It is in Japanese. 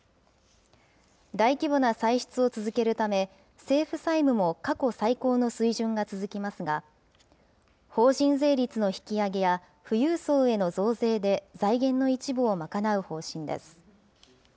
大規模な歳出を続けるため、政府債務も過去最高の水準が続きますが、法人税率の引き上げや、富裕層への増税で財源の一部を賄う方針です。